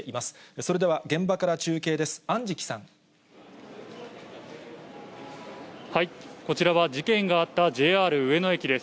それでは、現場から中継です。